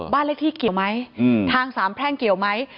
บ้านเลขที่เกี่ยวไหม